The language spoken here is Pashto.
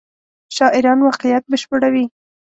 شاعران واقعیت بشپړوي.